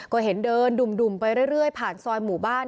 ก็เห็นเดินดุ่มไปเรื่อยผ่านซอยหมู่บ้าน